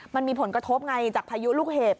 มันมีผลกระทบไงจากพายุลูกเห็บ